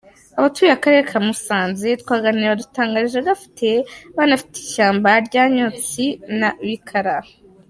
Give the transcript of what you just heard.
Abatuye Akarere ka Musanze twaganiriye badutangarije gafite banafite ishyamba rya Nkotsi na Bikara.